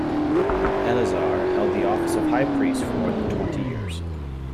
Eleazar held the office of high priest for more than twenty years.